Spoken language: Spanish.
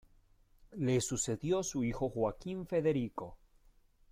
Le sucedió su hijo Joaquín Federico.